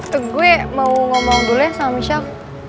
ntar gue mau ngomong dulu ya sama michelle